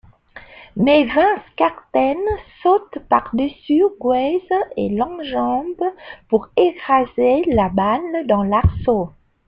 Mais Vince Carter saute par-dessus Weis et l'enjambe pour écraser la balle dans l'arceau.